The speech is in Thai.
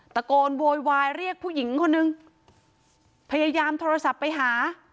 โวยวายเรียกผู้หญิงคนนึงพยายามโทรศัพท์ไปหา